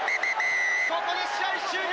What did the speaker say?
ここで試合終了。